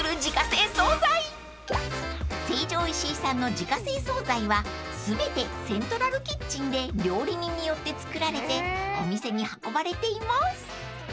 ［成城石井さんの自家製総菜は全てセントラルキッチンで料理人によって作られてお店に運ばれています］